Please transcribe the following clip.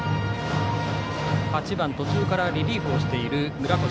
８番、途中からリリーフをしている村越